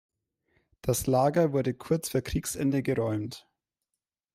Das Lager wurde kurz vor Kriegsende geräumt.